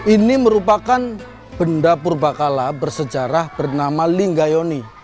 ini merupakan benda purbaqala bersejarah bernama linggayoni